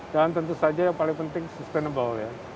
dan tentu saja yang paling penting sustainable